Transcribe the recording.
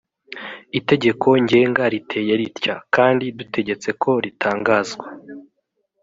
itegeko ngenga riteye ritya kandi dutegetse ko ritangazwa